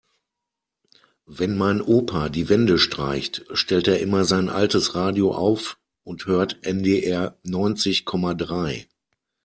Wenn mein Opa die Wände streicht, stellt er immer sein altes Radio auf und hört NDR neunzig Komma drei.